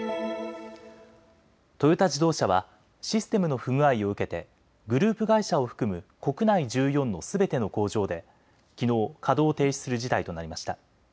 トヨタ自動車はシステムの不具合を受けてグループ会社を含む国内１４のすべての工場できのう稼働を停止する事態となりました。